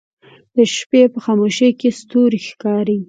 د شپې په خاموشۍ کې ستوری ښکاري